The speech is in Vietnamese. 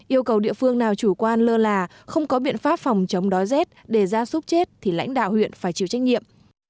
yêu cầu địa phương nào chủ quan lơ là không có biện pháp phòng chống đói rét để gia súc chết thì lãnh đạo huyện phải chịu trách nhiệm